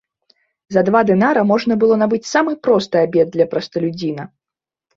За два дынара можна было набыць самы просты абед для прасталюдзіна.